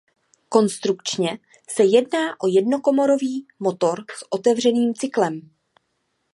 Konstrukčně se jedná o jednokomorový motor s otevřeným cyklem.